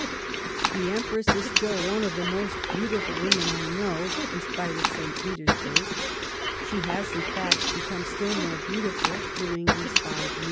... The Empress is still one of the most beautiful women I know ; in spite of St. Petersburg, she has in fact become still more beautiful during these five years."